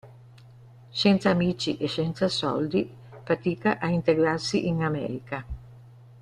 Senza amici e senza soldi, fatica a integrarsi in America.